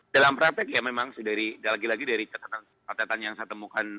dalam praktek ya memang lagi lagi dari catatan catatan yang saya temukan